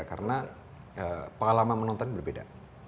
karena pengalaman menonton berbeda